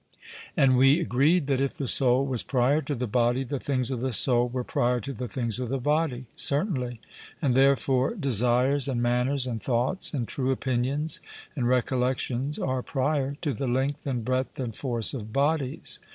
And we agreed that if the soul was prior to the body, the things of the soul were prior to the things of the body? 'Certainly.' And therefore desires, and manners, and thoughts, and true opinions, and recollections, are prior to the length and breadth and force of bodies.